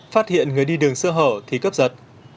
phát hiện người đi đường sơ hở thì cướp giật